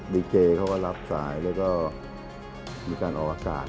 ดีเจเขาก็รับสายแล้วก็มีการออกอากาศ